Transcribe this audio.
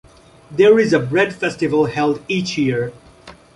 There is a bread festival held each year.